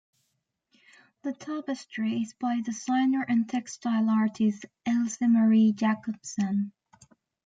The tapestry is by designer and textile artist, Else Marie Jakobsen.